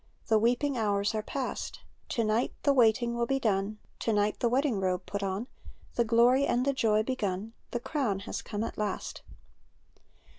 The weeping hours are past ; To night the waiting will be done. To night the wedding robe put on. The glory and the joy begun ; The crown has come at last.